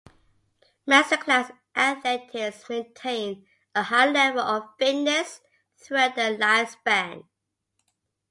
Master-class athletes maintain a high level of fitness throughout their lifespan.